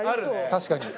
確かに。